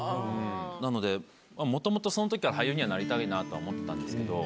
なのでもともとそのときから俳優にはなりたいなとは思ってたんですけど。